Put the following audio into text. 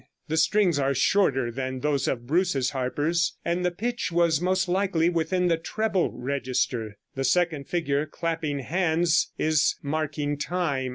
The strings are shorter than those of Bruce's harpers, and the pitch was most likely within the treble register. The second figure clapping hands is marking time.